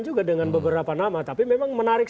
juga dengan beberapa nama tapi memang menarik